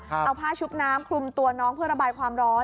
เอาผ้าชุบน้ำคลุมตัวน้องเพื่อระบายความร้อน